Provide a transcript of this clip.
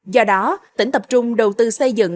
do đó tỉnh tập trung đầu tư xây dựng